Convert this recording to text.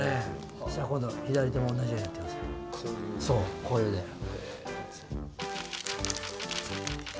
そうこういう腕。